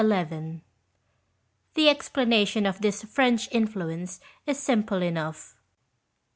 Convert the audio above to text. The explanation of this French influence is simple enough.